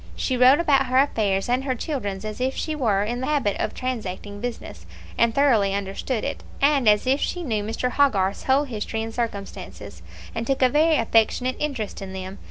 She wrote about her affairs, and her children's, as if she were in the habit of transacting business, and thoroughly understood it, and as if she knew Mr. Hogarth's whole history and circumstances, and took a very affectionate interest in them.